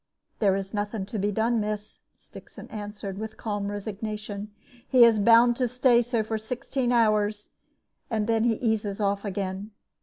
"There is nothing to be done, miss," Stixon answered, with calm resignation; "he is bound to stay so for sixteen hours, and then he eases off again.